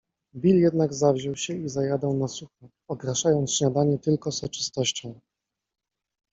Bill jednak zawziął się i zajadał na sucho, okraszając śniadanie tylko soczystością